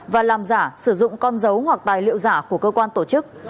và làm giả sử dụng con dấu hoặc tài liệu giả của cơ quan tổ chức